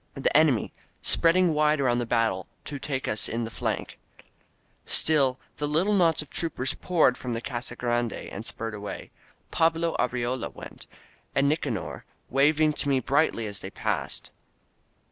The enemy, spreading wide around the battle, to take us in the flank ! Still the little knots of troopers poured from the Casa Grande, and spurred away. Pablo Arriola went, and Nicanor, waving to me brightly as they passed.